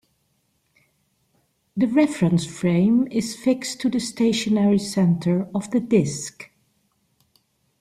The reference frame is fixed to the stationary center of the disk.